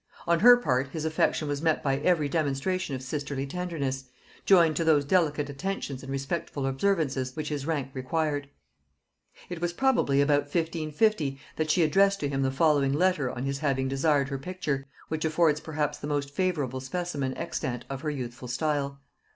On her part his affection was met by every demonstration of sisterly tenderness, joined to those delicate attentions and respectful observances which his rank required. It was probably about 1550 that she addressed to him the following letter on his having desired her picture, which affords perhaps the most favorable specimen extant of her youthful style.